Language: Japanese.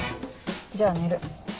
じゃあ寝る。